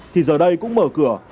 thì giờ đây cũng mở cửa